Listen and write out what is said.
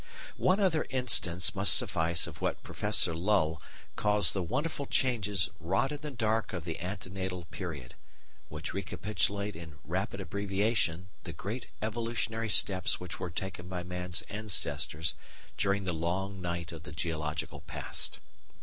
One other instance must suffice of what Professor Lull calls the wonderful changes wrought in the dark of the ante natal period, which recapitulate in rapid abbreviation the great evolutionary steps which were taken by man's ancestors "during the long night of the geological past."